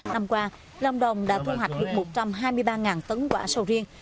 năm qua lâm đồng đã thu hoạch được một trăm hai mươi ba tấn quả sầu riêng